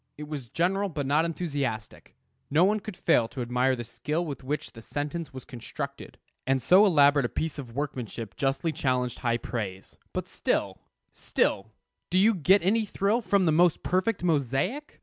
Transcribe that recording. It was general, but not enthusiastic. No one could fail to admire the skill with which the sentence was constructed; and so elaborate a piece of workmanship justly challenged high praise. But still still, do you get any thrill from the most perfect mosaic?